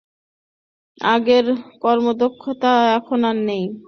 আগের কর্মদক্ষতা এখন আর নেই।